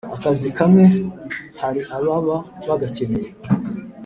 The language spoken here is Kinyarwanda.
akazi kamwe hari ababa bagakeneye